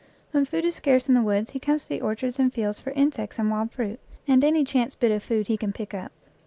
When food is scarce in the woods he comes to the orchards and fields for insects and wild fruit, and any chance bit of food he can pick up.